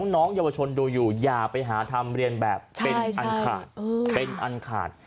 น้องยาวชนดูอยู่อยากไปหาทำเรียนแบบเป็นอันขาด